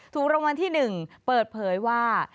ถูกรางวัลที่๑เปิดเผยว่า